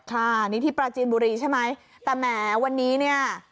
ค่ะนี่ที่ปราจีนบุรีใช่ไหมแต่แหมวันนี้เนี่ย